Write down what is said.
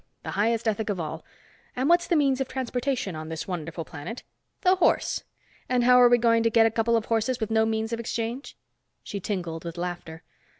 The highest ethic of all. And what's the means of transportation on this wonderful planet? The horse. And how are we going to get a couple of horses with no means of exchange?" She tinkled laughter.